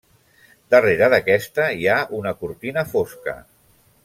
Darrere d'aquesta hi ha una cortina fosca.